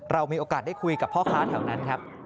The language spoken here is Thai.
เรามีโอกาสได้คุยกับพ่อค้าแถวนั้นครับ